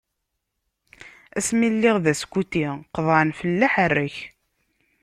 Asmi lliɣ d askuti, qeḍɛen fell-i aḥerrek.